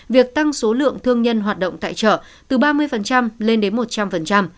việc tăng số lượng thương nhân hoạt động tại chợ từ ba mươi lên đến một trăm linh